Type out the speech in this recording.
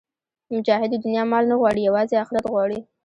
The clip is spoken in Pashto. مجاهد د دنیا مال نه غواړي، یوازې آخرت غواړي.